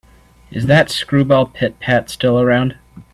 Is that screwball Pit-Pat still around?